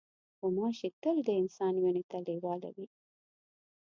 غوماشې تل د انسان وینې ته لیواله وي.